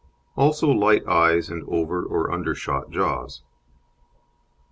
Also light eyes and over or undershot jaws.